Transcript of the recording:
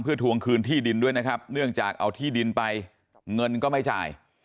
ทวงคืนที่ดินด้วยนะครับเนื่องจากเอาที่ดินไปเงินก็ไม่จ่าย